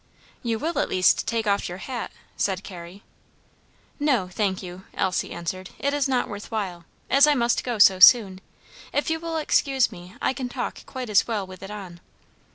"You will at least take off your hat," said Carrie. "No, thank you," Elsie answered, "it is not worth while, as I must go so soon. If you will excuse me, I can talk quite as well with it on."